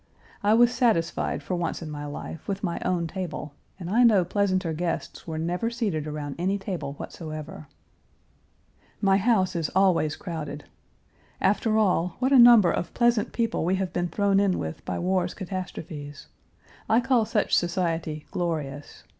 I was satisfied for once in my life with my own table, and I know pleasanter guests were never seated around any table whatsoever. My house is always crowded. After all, what a number of pleasant people we have been thrown in with by war's catastrophes. I call such society glorious.